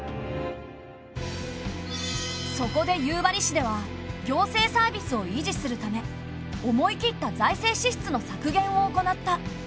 そこで夕張市では行政サービスを維持するため思い切った財政支出の削減を行った。